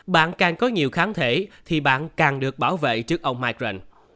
bạn càng có nhiều kháng thể thì bạn càng được bảo vệ trước omicron